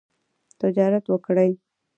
تجارت وکړئ